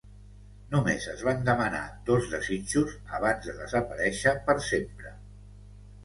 Només es van demanar dos desitjos abans de desaparèixer per sempre.